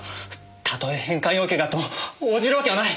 たとえ返還要求があっても応じるわけはない！